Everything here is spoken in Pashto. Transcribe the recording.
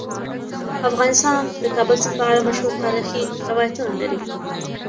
افغانستان د د کابل سیند په اړه مشهور تاریخی روایتونه لري.